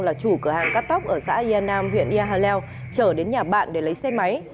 là chủ cửa hàng cắt tóc ở xã yà nam huyện ia hà leo trở đến nhà bạn để lấy xe máy